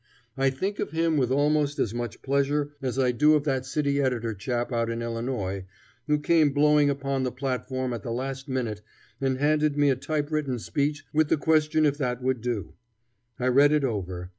I think of him with almost as much pleasure as I do of that city editor chap out in Illinois who came blowing upon the platform at the last minute and handed me a typewritten speech with the question if that would do. I read it over.